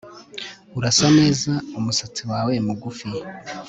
urasa neza numusatsi wawe mugufi